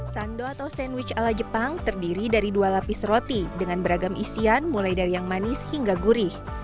sando atau sandwich ala jepang terdiri dari dua lapis roti dengan beragam isian mulai dari yang manis hingga gurih